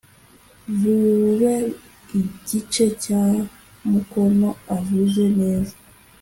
bube igice cya mukono avuze neza